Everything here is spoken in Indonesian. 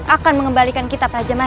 akan mengembalikan kita prajemah